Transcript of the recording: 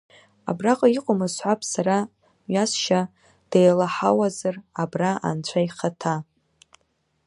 Абраҟа иҟоума сҳәап сара мҩасшьа, деилаҳауазар абра Анцәа ихаҭа!